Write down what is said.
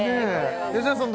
吉田さん